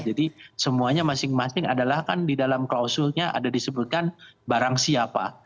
jadi semuanya masing masing adalah kan di dalam klausulnya ada disebutkan barang siapa